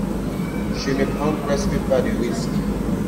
Je ne prends presque pas de risques.